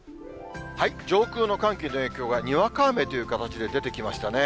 上空の寒気の影響がにわか雨という形で出てきましたね。